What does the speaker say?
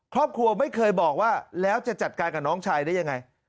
ครอบครัวไม่เคยบอกว่าแล้วจะจัดการกับน้องชายได้ยังไง